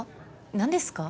何ですか？